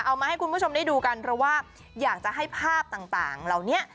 เอามาให้คุณผู้ชมได้ดูกันเพราะว่าอยากจะให้ภาพต่างเหล่านี้